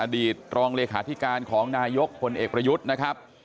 ตรองเลขาธิการของนายกพลเอกประยุทธ์นะครับ